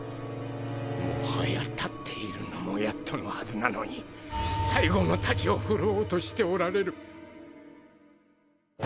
もはや立っているのもやっとのはずなのに最期の太刀を振るおうとしておられる。